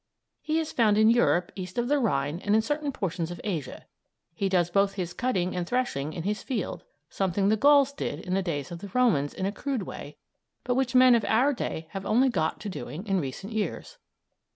He is found in Europe east of the Rhine and in certain portions of Asia. He does both his cutting and threshing in his field; something the Gauls did in the days of the Romans in a crude way, but which men of our day have only got to doing in recent years.